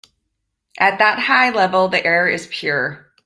At that high level the air is pure.